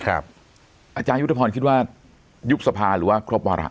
อาจารยุทธพรคิดว่ายุบสภาหรือว่าครบวาระ